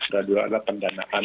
dan juga ada pendanaan